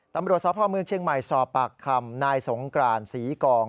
ตำรวจสพเมืองเชียงใหม่สอบปากคำนายสงกรานศรีกอง